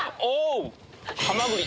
ハマグリ。